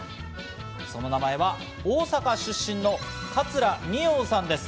その名前は大阪出身の桂二葉さんです。